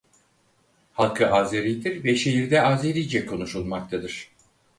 Halkı Azeri'dir ve şehirde Azerice konuşulmaktadır.